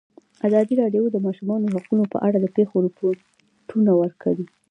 ازادي راډیو د د ماشومانو حقونه په اړه د پېښو رپوټونه ورکړي.